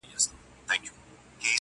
څارنوال ویله پلاره در جارېږم،